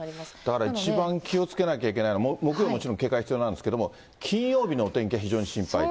だから一番気をつけなきゃいけないのは、木曜、もちろん警戒必要なんですけれども、金曜日のお天気が非常に心配と。